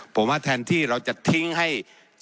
ผมว่าแทนที่เราจะทิ้งให้